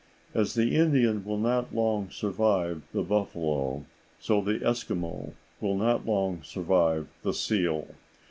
As the Indian will not long survive the buffalo, so the Eskimo will not long survive the seal.